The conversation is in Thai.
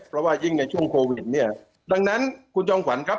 เพราะว่ายิ่งในช่วงโควิดเนี่ยดังนั้นคุณจอมขวัญครับ